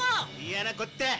「嫌なこった」